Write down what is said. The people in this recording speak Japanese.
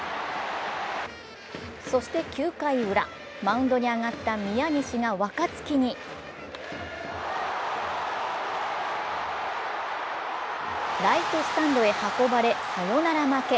そして９回ウラ、マウンドに上がった宮西が若月にライトスタンドへ運ばれサヨナラ負け。